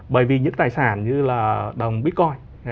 bởi vì những tài sản như là đồng bitcoin